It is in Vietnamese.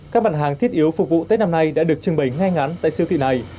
các bản hàng thiết yếu phục vụ tết năm nay đã được trưng bày ngay ngắn tại siêu thị này